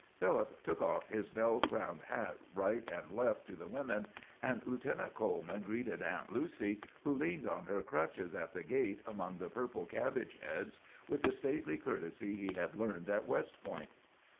Philip took off his bell crowned hat right and left to the women; and Lieutenant Coleman greeted Aunt Lucy, who leaned on her crutches at the gate among the purple cabbage heads, with the stately courtesy he had learned at West Point.